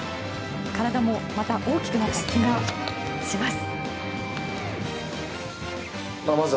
体もまた大きくなった気がします。